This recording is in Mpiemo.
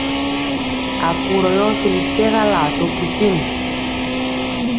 Akurɔ yɔ sili sɛgalaa to kisin.